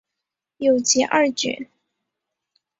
有集二卷。